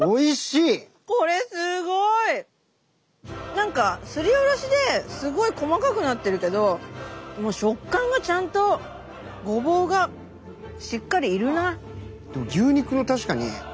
何かすりおろしですごい細かくなってるけど食感がちゃんとごぼうがしっかりいるな。